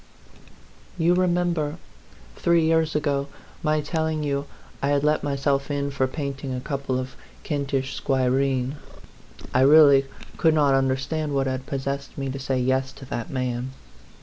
You remember, three years ago, my telling you I had let myself in for painting a couple of Kentish squireen ? I really could not un derstand what had possessed me to say yes to that man.